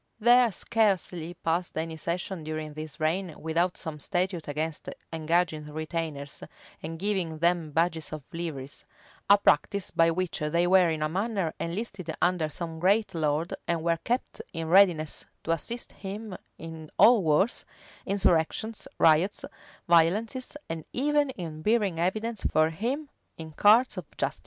There scarcely passed any session during this reign without some statute against engaging retainers, and giving them badges or liveries; [v] a practice by which they were in a manner enlisted under some great lord and were kept in readiness to assist him in all wars, insurrections, riots, violences, and even in bearing evidence for him in courts of justice.